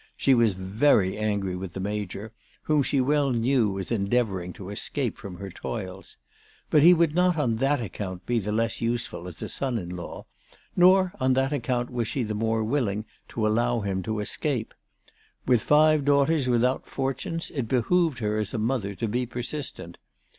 She was very angry with the Major, who she well knew was endeavouring to escape from her toils. But he would not on that account be the less useful as a son in law ; nor on that account was she the more willing to allow him to escape. "With five daughters without fortunes it behoved her as a mother to be persistent.